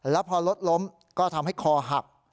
แล้วพอรถล้มก็ทำให้คอหัก